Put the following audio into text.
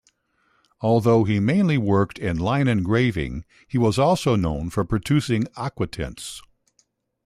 Although he mainly worked in line engraving, he was also known for producing aquatints.